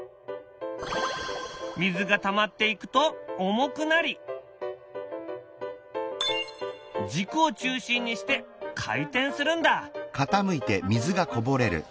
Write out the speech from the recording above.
水がたまっていくと重くなり軸を中心にして回転するんだ。